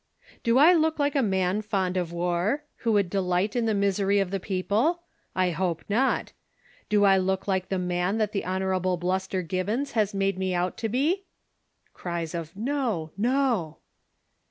] Do I look like a man fond of war, who would delight in tlie misery of the people V I hope not. Do I look like the man that the Hon. Bluster Gibbons has made me out to be? [Cries of Kol no!"